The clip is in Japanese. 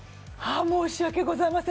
申し訳ございません